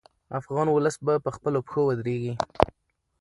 افغان ولس به په خپلو پښو ودرېږي.